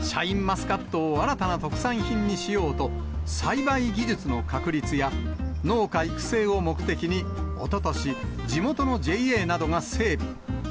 シャインマスカットを新たな特産品にしようと、栽培技術の確立や農家育成を目的に、おととし、地元のＪＡなどが整備。